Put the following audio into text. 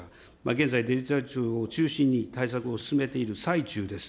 現在、デジタル庁を中心に対策を進めている最中です。